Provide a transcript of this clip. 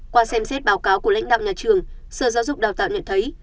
qua xem xét báo cáo của lãnh đạo nhà trường sở giáo dục đào tạo nhận thấy